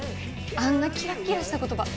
あんなキラッキラした言葉。